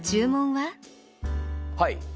はい。